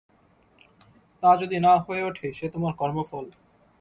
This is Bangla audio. তা যদি না হয়ে ওঠে, সে তোমার কর্মফল।